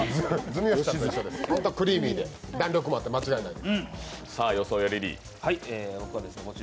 ホント、クリーミーで弾力もあって間違いない。